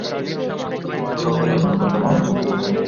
যদিও হত্যাকাণ্ড বন্ধ করার ক্ষেত্রে আমরা পুরোপুরি সফল এখনো হতে পারিনি।